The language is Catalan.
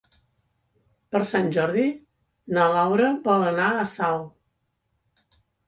Per Sant Jordi na Laura vol anar a Salt.